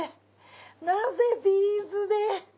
なぜビーズで。